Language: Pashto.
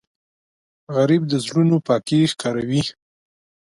غریب د زړونو پاکی ښکاروي